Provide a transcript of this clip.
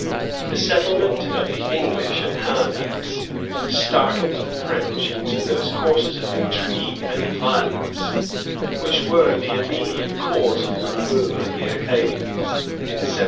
The settlement of the English at Halifax startled the French into those courses of intrigue and violence which were the immediate cause of the removal of the Acadians in 1755.